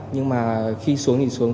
nhưng mà khi xuống thì xuống